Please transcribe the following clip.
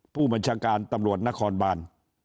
ผู้บัญชาการตนครบาล